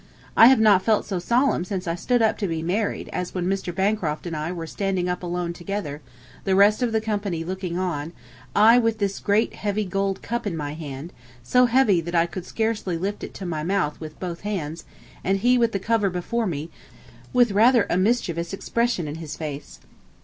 I have not felt so solemn since I stood up to be married as when Mr. Bancroft and I were standing up alone together, the rest of the company looking on, I with this great heavy gold cup in my hand, so heavy that I could scarcely lift it to my mouth with both hands, and he with the cover before me, with rather a mischievous expression in his face.